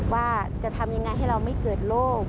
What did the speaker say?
ว่าจะทำยังไงให้เราไม่เกิดโรค